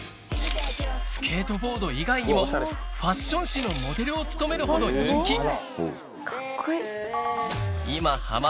スケートボード以外にもファッション誌のモデルを務めるほど人気